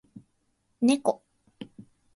ねこ